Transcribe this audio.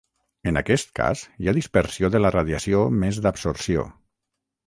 En aquest cas hi ha dispersió de la radiació més d'absorció.